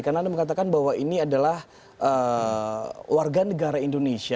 karena anda mengatakan bahwa ini adalah warga negara indonesia